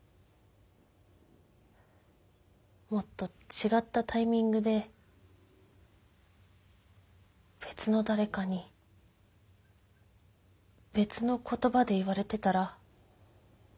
もっと違ったタイミングで別の誰かに別の言葉で言われてたら。